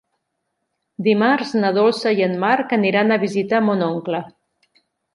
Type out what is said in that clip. Dimarts na Dolça i en Marc aniran a visitar mon oncle.